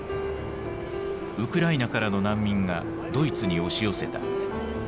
ウクライナからの難民がドイツに押し寄せた。